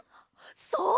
そう！